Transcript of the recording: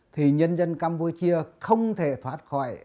thì nhân dân campuchia không thể thoát khỏi